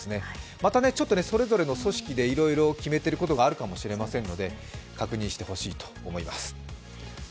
また、ちょっとそれぞれの組織でいろいろ決めていることがあるかもしれませんので確認してほしいと思います。